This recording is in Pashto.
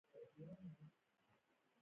هره ورځ دې له کبله لانجه وي.